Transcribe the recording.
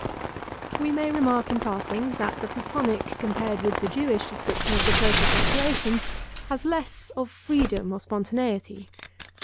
We may remark in passing, that the Platonic compared with the Jewish description of the process of creation has less of freedom or spontaneity.